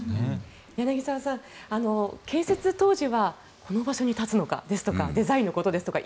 柳澤さん、建設当時はこの場所に立つのかとかデザインのことですとか